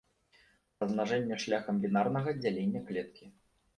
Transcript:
Размнажэнне шляхам бінарнага дзялення клеткі.